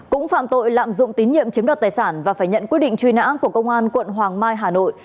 cũng phạm tội lạm dụng tín nhiệm chiếm đoạt tài sản và phải nhận quyết định truy nã của công an quận hoàng mai hà nội